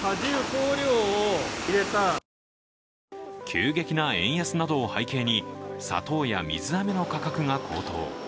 急激な円安などを背景に、砂糖や水あめなどの価格が高騰。